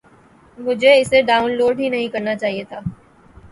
مجھے اسے download ہی نہیں کرنا چاہیے تھا